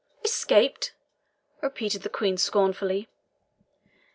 "Escaped?" repeated the Queen scornfully.